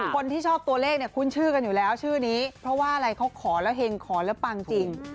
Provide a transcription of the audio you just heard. คนที่ชอบตัวเลขเนี่ยคุ้นชื่อกันอยู่แล้วชื่อนี้เพราะว่าอะไรเขาขอแล้วเห็งขอแล้วปังจริง